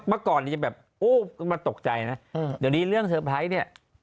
เมื่อก่อนนี้จะแบบโอ้มันตกใจนะเดี๋ยวนี้เรื่องเซอร์ไพรส์เนี่ย